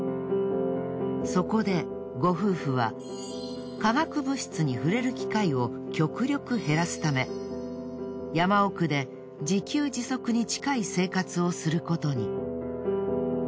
そこでご夫婦は化学物質に触れる機会を極力減らすため山奥で自給自足に近い生活をすることに。